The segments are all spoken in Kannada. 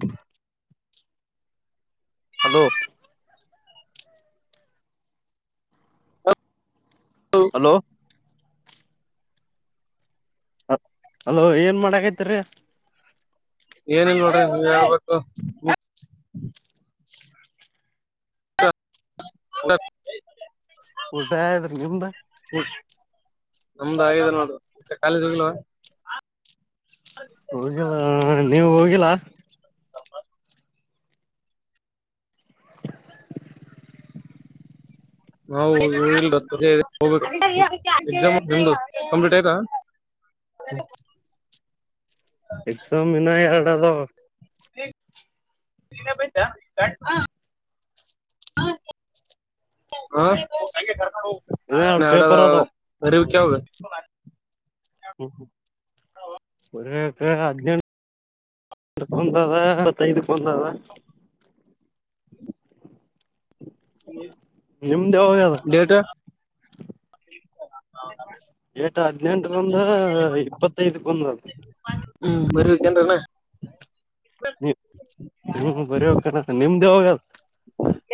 ಹ್ಮ ಹಲೋ ಹಲೋ ಅಲೋ ಏನ್ ಮಾಡಕೈತ್ರಿೀ ಏನಂಗ ನ ಊಟ ಆದ್ರಿ ನಿಂಬ ನಮ್ದು ಆಗಿದೆ ನೋಡ ಮತ್ತೆ ಕಾಲೇಜ್ ಹೋಗಿಲ್ವಾ ಹೋಗಿಲ್ಲಾ ನೀವು ಹೋಗಿಲ್ಲಾ ಹ ಇಲ್ ಹೋಗ ಎಸಾಮ್ ನಿು ಕಂಪ್ಲೀಟ್ ಆಯ್ತಾ ಹ ಎಕ್ಸಾಮ್ ಇಿನ ಎರಡು ಅದ ಬತ [inaudible] ಇನ್ನ ಹಾ ನ ಎರಡ್ ಅಡದ ಪೇಪರ್ ಅದಾವ ಅರಿವ ಕಾವ [inaudible] ಹ್ಮ ಹಾ ಹ ಒ ಹದ [inaudible] ಎ ಬಂದದತ್ತಐದು ಬಂದದ [inaudible] ಹ್ಮ್ ನಿಮ್ದೇ ಯಾವಾಗದ ಹೌ ಏಟ ಹದ್ನೆೆಂಟಗೊಂದು ಇಪ್ಪತ್ತೈದಗೊಂದು ಹ್ಮ್ ಬರಿವಿಿಕನ್ಣ [inaudible] ಹ್ಮ್ ಬರಿ ಹ್ಕಣ ನಿಮ್ದೇ ಹೋಗಲ್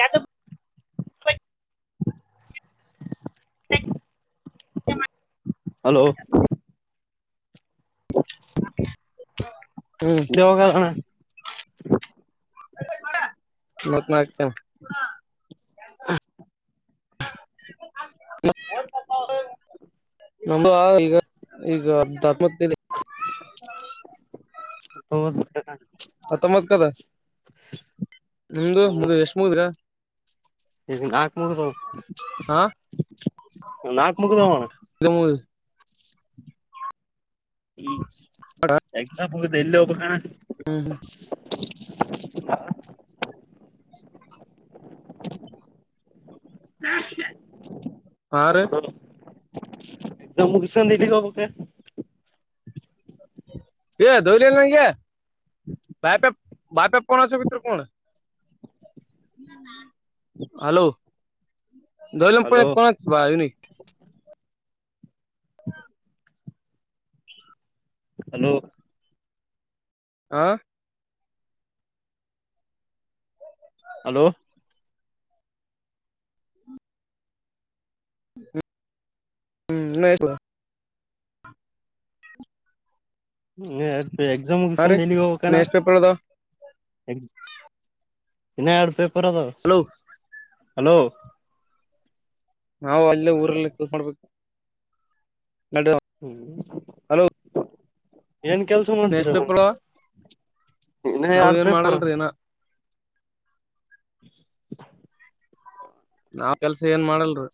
ಯ [inaudible] ಹಲೋ ಹ್ಮ್ ದವೋಗಣ ಮ ಮತ [inaudible] ಹ್ಮ್ [inaudible] ನ ಈಗ ಈಗ [inaudible] ಸುತ್ [inaudible] ಹತ್ತೊಂಬತ್ ಕದ ನಿಮ್ದು ಮು ಎಷ್ಟ ಮುಗಿದ್ರ ಈಗ ನಾಕ್ು ಮುಗದ ಹಾ ನಾಕ ಮುಗದವು ನಾ ಗಮ ಎಕ್ಸಾಮ ಮುಗಿದು ಯಲ್ಲಿ ಹೋಗೋದು ಹ್ಮ್ ಹಾ ಹಾರಿ ಎಕ್ಸಮ್ ಮುಗಸ [unintelligible] [unintelligible] ನಗೆ ಬಾಯಪೆ [unintelligible] ಹಲೋ ಹಲೋ [unintelligible] ಹಲೋ ಆ ಹಲೋ ಹ್ಮ್ ಹ್ಮಾ [unintelligible] ಹ್ಮ್ ಎಕ್ಸಮ್ ಹಾ ರೀ ಮುಗಿಸ್ಕೊಂದು ಎಲ್ಲಿಗ್ ಇನ್ನ ಹೋಗ್ಬೇಕಣ್ಣ ಎಷ್ಟ್ ಪೇಪರ್ ಅದಾವ ಎಕ್ ಇನ್ನ ಎರಡು ಪೇಪರ್ ಅದವ. ಹಲೋ ಹಲೋ ನಾವವು ಅಲ್ಲೇ ಊರಲ್ಲಿದು [unintelligible] ಮಾಡ್ಬೇಕು. ನಡ ಹ್ಮ್ ಹಲೋ ಏನ್ ಕೆಲ್ಸ ಮಾಡ್ತರ ಎಷ್ಟ್ ಬಾಯ್. ಪೇಪರ್ ಅದಾವ ಇನ್ನ ನಾವ್ ಎಡ್ ಏನ್ ಪೇಪರ್ ಮಾಡಲ್ರಿ ಇನ್ನ [inaudible] ನಾವ್ ಕೆಲ್ಸ ಏನ್ ಮಾಡಲ್ರಿ.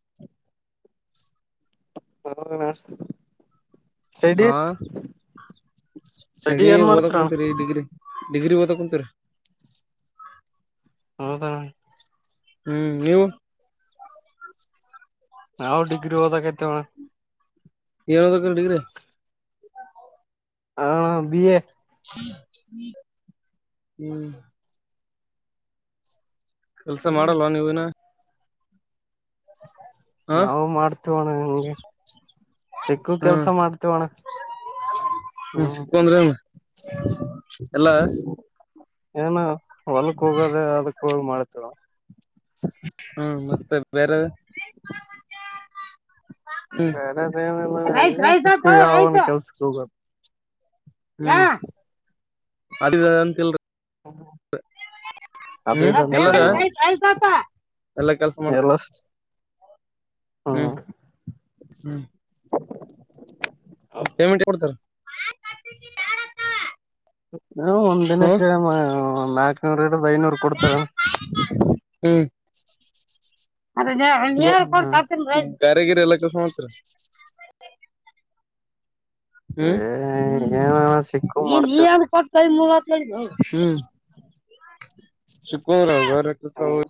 [unintelligible] ಅಣ್ಣ ಹಾ ಸ್ಟಡಿ ಚಡಿ ಏನ್ ಓದಕ್ ಮಾಡ್ತೀರಣ ಕುಂತರಿ ಡಿಗ್ರಿ. ಡಿಗ್ರಿ ಓದಕ್ಕತರ ಹೌದ ಹ್ಮ್ ನೀವು ನಾವು ಡಿಗ್ರಿ ಓದಕತ್ತಿವಾಣ್ಣ. ಏನ [unintelligible] ಡಿಗ್ರಿ ಹಾ ಬಿ ಎ ಹ್ಮ್ ಕೆಲ್ಸ ಹ್ಮ್ ಮಾಡಲ್ವಾ ನೀವೀನ ಹಾ ನಾವು ಮಾಡ್ತವೋಣ್ಣ ನಿಂಗೆ ಸಿಕ್ಕದ ಕೆಲ್ಸ ಮಾಡ್ತವೋಣ. ಹ್ಮ ಸಿಕ್ಕಂದ್ರ ಎಲ್ಲಾ ಏನು ಹೊಲಕ್ ಹೋಗೋದ ಅದಕ್ ಹೋಗಿ ಮಾಡ್ತೇವ [inaudible] ಹ್ಮ ಮತ್ತೆ ಬೇರೆ ಬೇರೆದ ಏನಿಲ್ಲಣ್ಣ ಈಗ ಸಿಕ್ಕು ಯಾವನ ಕೆಲ್ಸಕ್ ಹೋಗದು. ಅದವೇ ಅಂತಲ್ರಿ [inaudible] ಹ್ಮ್ ಎಲ್ಲಾರ ಅದೇದಂತಲ್ ನಾವು ಎಲ್ಲಾ ಕೆಲ್ಸ ಎ [inaudible] ಮಾಡ್ತೀರ ಲ್ಲ ಹ್ಮ್ ಹ್ಮ್ ಪೇಮೆಂಟ್ [unintelligible] ಹ್ಮ್ ಒಂದಿನಕ್ಕೆ ಒಂದ್ ನಾಕನೂರ ಇಡುದು ಐನೂರು ಕೊಡ್ತಾರಣ [unintelligible] ಹ್ಮ್ [inaudible] ಹ್ಮ [unintelligible] ಕಾರಿಗಿರಿ ಎಲ್ಲಕ್ಕಸ ಮಾತ್ರ ಏ ಹ್ಮ್ ಹ್ಮ ಏನ [unintelligible] ಸಿಕ್ಕು ಮಾಡ್ತೇವ ಹ್ಮ್ [unintelligible] ಕಸ ಹ್ಮ್ [unintelligible]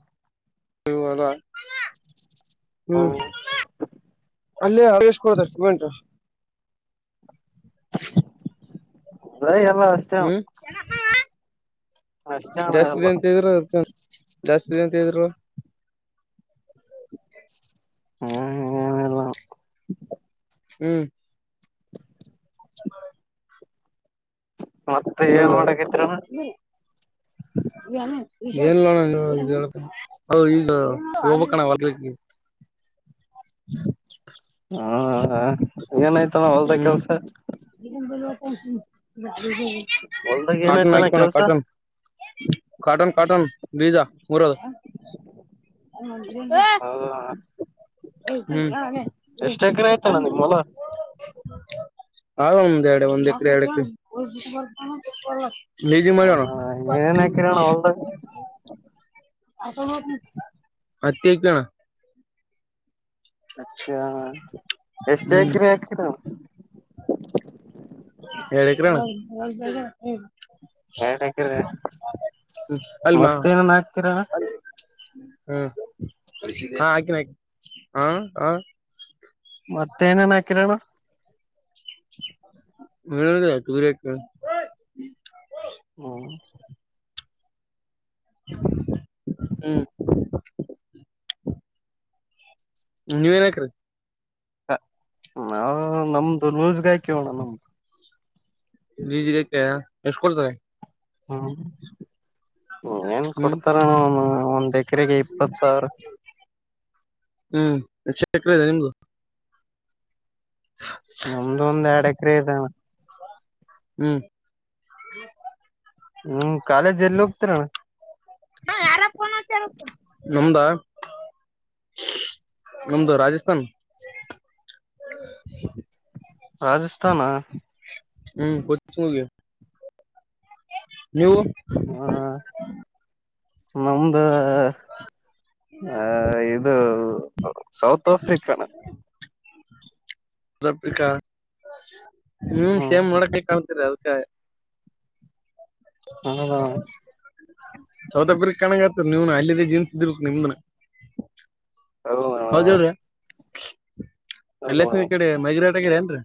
ಹ್ಮ್ ಹ್ಮ್ [unintelligible] [unintelligible] ಹ್ಮ್ [unintelligible] ಅಷ್ಟೇ ಅಣ ಜಾಸ್ತಿ ಎಲ್ಲ ಅಂತಿದ್ರೆ ಅದ ಜಾಸ್ತಿ [unintelligible] ಹೇಳ್ರು ಹ್ಮ್ ಏನಿಲ್ಲ ಹ್ಮ್ ಮತ್ತೆ ಏನ್ ಹೌದಾ ಮಾಡಕತ್ರಿಣ ಏನೋಣ ಈಗ ಹೋಗಬಕಣ ಹೋಲ್ದಕ್ಕೆ. ಹ ಹ ಏನಾಯ್ತನ ಹೊಲ್ದ ಹ್ಮ್ ಕೆಲ್ಸ ಹೊಲ್ದಾಗ ಕಾಟನ್ ಏನಾಯ್ತಣ ಆಯಕಣ ಕೆಲ್ಸ ಕಾಟನ್ ಕಾಟನ್ ಕಾಟನ್ ವೀಜಾ ಮುರದ [unintelligible] ಹ್ಮ್ ಎಷ್ಟ್ ಎಕರೆ ಆಯ್ತಣ್ಣ ನಿಮ್ ಹೊಲ [unintelligible] ಅ ಒಂದ್ ಎರಡು ಒಂದ್ ಎಕರೆ ಎರಡು ಎಕರೆ ಬೇಜಿಂಗ್ ಮಾಡ ಜಾಣ ಏನೇನ್ ಹಾಕಿರಣ ಹೊಲ್ದಾಗ ಹತ್ತಿ ಅಯ್ತಣ್ಣ ಅ ಎಷ್ಟು ಹ್ಮ್ ಎಕರೆ ಹಾತೀರಾವು ಹೆರಡ ಎಕ್ರೆ ಅಣ ಎರಡು ಎಕರೆ ಅಲ್ಮಾ ಮತ್ತೇನನ್ ಹಾಕ್ತೀರ ಹ್ಮ್ ಹಾ ಹಾಕಿನ ಹಾ ಹ ಮತ್ತೇನೇನ್ ಹಾಕಿರೋಣ [unintelligible] ಹ್ಮ ಹ್ಮ್ ನೀವ ಏನಕ್ರೀ ನಾವು ನಮ್ದು ಲೂಸ್ಗಾಯ್ಕ ಹೋಣ ನಮ್ದು ನೀಜಗಾಕ ಎಷ್ಟ್ ಕೊಡ್ತಾರೆ ಹಾ ಏನ್ ಹ್ಮ್ ಕೊಡ್ತಾರ ನ ಒಂದ್ ಎಕರೆಗೆ ಇಪ್ಪತ್ ಸಾವಿರ ಚಕರೆ ಇದೆ ನಿಮ್ದು ನಮ್ದು ಒಂದ್ ಎರಡ್ ಎಕರೆ ಇದಾನ ಹ್ಮ್ ನಿಮ ಕಾಲೇಜ್ ಎಲ್ಲಿ ಹೋಗ್ತರಣ ನಂಬ್ದ ನಮ್ದು ರಾಜಸ್ಥಾನ ರಾಜಸ್ಥಾನ ಹ್ಮ್ [unintelligible] ನೀವು ನಮ್ದು ಆ ಇದು ಸೌತ್ ಆಫ್ರಿಕಾನ ಸೌತ್ ಆಫ್ರಿಕಾ ನೀ ಹ್ಮ್ ಸೇಮ್ ಮಾಡಳಕ ಅದಕ ಹೌದೌ ಸೌತ್ ಆಫ್ರಿಕಾ ಕಣಗ ಆತರಿ ನೀವ್ನು ಅಲ್ಲಿದ್ದೇ ಜೀನ್ಸ್ ಇದರು ನಿಮ್ದನ ಹೌದ ಹೇಳ್ರಿ ಅಲ್ಲಸ ಈ ಹೌದಣ ಕಡೆ ಮೈಗ್ರೇಟ್ ಆಗರ ಏನ್ರೀ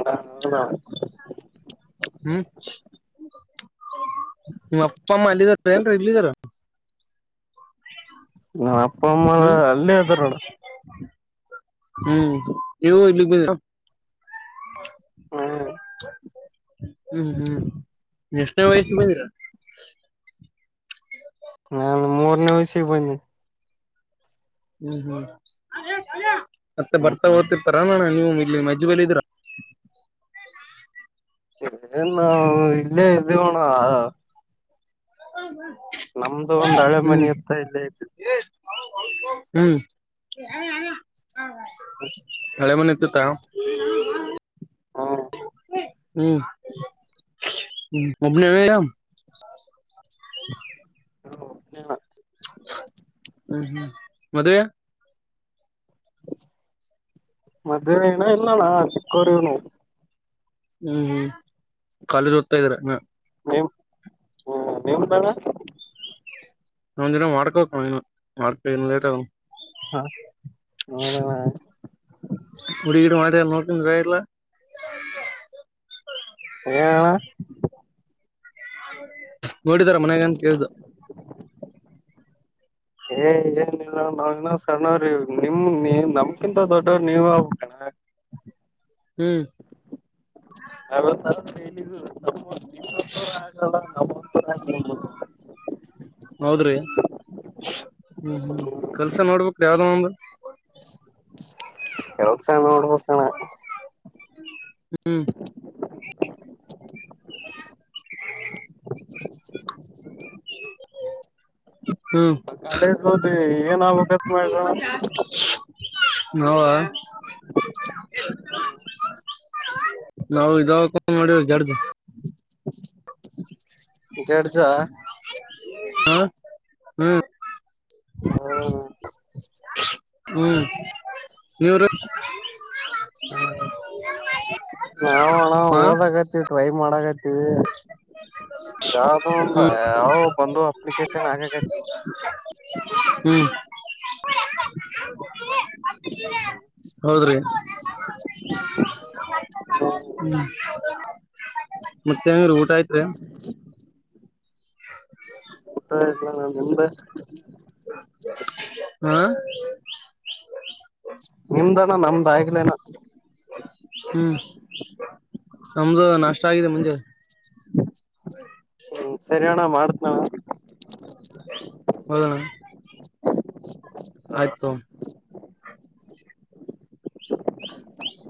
ಹ ಹೌದ ನಿಮ್ಮ ಅಪ್ಪ ಅಮ್ಮ ಅಲ್ಲಿದಾರ ಏನ್ ಇಲ್ಲಿದಾರ. ನನ್ ಅಪ್ಪ ಅಮ್ಮ ಹ್ಮ್ ಅಲ್ಲೇ ಅದಾರೋಡ ಹ್ಮ್ ಇವ ಇಲಿ ಹ್ಮ್ [unintelligible] ಹ್ಮ್ ಹ್ಮ್ ಎಷ್ಟನೇ ವಯಸ್ಸ ಬಂದರ ನಾನು ಮೂರನೇ ವಯಸಿಗೆ ಬನ್ನೆ ಹ್ಮ್ ಹ್ಮ್ ಮತ್ತೆ ಹ್ಮ್ ಬರ್ತಾ ಹ್ಮ್ ಓದ್ತಿರ್ತಾರಲ್ಲಣ ನೀವು ಇಲ್ಲಿ ನಿಮ್ಮಜ್ಜಿ ಬಂದಿದ್ರು ಎ ಇಲ್ಲ ಎದುಗೋಣ ಹ ನಮ್ದು ಒಂದ್ ಹಳೆ ಮನಿ ಹತ್ತ ಇಲ್ಲೇ ಇದ್ದು ಹ್ಮ್ ಹಳೆ ಮನತ್ತು ತಾ ಹಾ ಹ್ಮ್ ಅಬನ ಆಾಮ ಹ್ಮ ಹ ಹ್ಮ್ ಹ್ಮ್ ಮದ ಮಧ್ಯಾಹ್ನನ ಇಲ್ಲಾನ ಚಿಕ್ಕೋವರಿನು ಹ್ಮ್ ಹ್ಮ್ ಕಾಲೇಜ್ ಓದ್ತಾ ಇದ್ರ ಹ ನೀವು್ ಹ ನೀವು ಬಳ ನಾ ವರಕ ವ ಲೇಟ ಆ ಹಾ ನದ ಕುಡಗಡೆ ಮಾಡತ ನೋಕಲ್ಲ ಏನಣ ನೋಡಿದಾರ ಮನ್ಾಗಂತ ಕೇಳ್ದು ಏ ಏನಿಲ್ಲ ನಾವ ಸಣ್ಣವ್ರ ನಿಮ ನೀ ನಮ್ಗಿಂತ ದೊಡ್ಡವರು ನೀವ ಆಬೇಕಣ ಹ ಹ್ಮ್ ನಾವ ಆಗ ನಮ್ಮೊ ಹ ಹೌದ್ರಿ ಹ್ಮ್ ಹ್ಮ್ ಕೆಲ್ಸ ನೋಡ್ಬೇರೀ ಯಾವ್ದ ಯಾವದಸ ನೋಡ್ಬೇಕಣ ಹಾ ಹ್ಮ್ ಕಾಲೇಜ ಹೋದಿ ಏನಗತ್ ಮಾಡ್ರೋಣ ಹ ನಾವು ಇದಾವ ಕ ಮಾಡ ಜರ್ದ ಜಡ್ಜಾ ಹಾ ಹ್ಮ್ ಹಾ ಹ್ಮ್ ನೀವ್ರ ಹ ನಾವ ಹಣ ಹಾ ಹೋದಾಗತ್ತ ಟ್ರೈ ಮಾಡತ್ತೆ ಯಾ ತ ಹ್ಮ್ ಯ ಬಂದು ಲಿಕೇಶ ಆಗ ಹ್ಮ್ ಹೌದ್ರಿ ಊಟ ಹ್ಮ್ ಮತ್ತೆಂಗ ಊಟ ಆಯ್ತ್ರಿ ಊತ್ತ ಇಲ್ಲ ನಾ ಮು್ದೆ ಹಾ ನಿಮ್ದಾನ ನಮ್ದ ಆಗ್ಲನ ಹ್ಮ್ ನಮ್ದು ನಾಷ್ಟ ಆಗಿದೆ ಮುಂಜೆ ಹ್ಮ್ ಸರಿ ಅಣ್ಣ ಮಾಡತ್ ನಾವ ಹೌದಣ ಆಯ್ತು ಹ